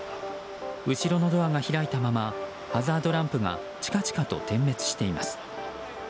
後ろのドアが開いたままハザードランプがチカチカと点滅しています。